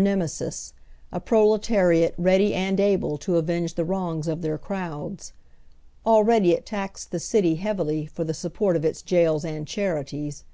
seniesis, a proletariat ready aiad able to avenge the wrongs of their crowds. Already it taxed the city heavily for the support of its jaile and charities.